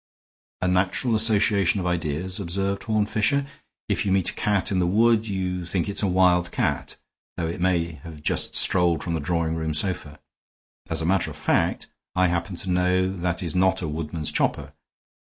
"A natural association of ideas," observed Horne Fisher. "If you meet a cat in a wood you think it's a wildcat, though it may have just strolled from the drawing room sofa. As a matter of fact, I happen to know that is not the woodman's chopper.